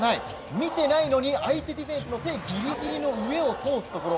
見ていないのに相手ディフェンスギリギリの上を通すところ。